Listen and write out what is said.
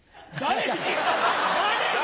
誰に？